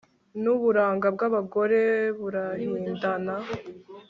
n'uburanga bw'abagore burahindana